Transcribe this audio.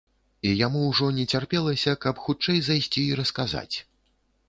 І яму ўжо не цярпелася, каб хутчэй зайсці і расказаць.